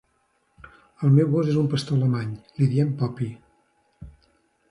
El meu gos és un pastor alemany, li diem 'Poppy'.